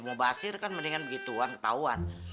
mubasir kan mendingan begituan ketauan